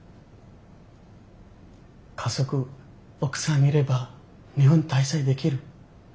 家族奥さんいれば日本滞在できる。